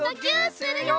するよ！